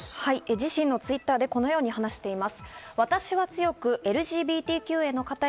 自身のＴｗｉｔｔｅｒでこのように話しています。